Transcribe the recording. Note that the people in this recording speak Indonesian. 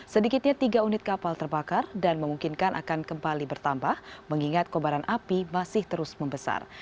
sedikitnya tiga unit kapal terbakar dan memungkinkan akan kembali bertambah mengingat kobaran api masih terus membesar